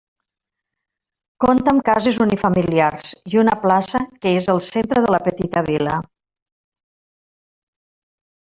Compta amb cases unifamiliars i una plaça que és el centre de la petita vila.